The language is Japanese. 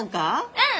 うん！